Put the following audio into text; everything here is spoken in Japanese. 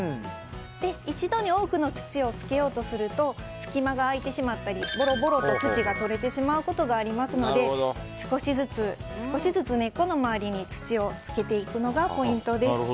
一度に多くの土をつけようとすると隙間が空いてしまったりボロボロと土が取れてしまうことがありますので少しずつ少しずつ根っこの周りに土をつけていくのがポイントです。